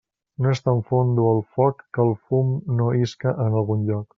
No és tan fondo el foc que el fum no isca en algun lloc.